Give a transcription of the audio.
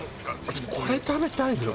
これ食べたいのよ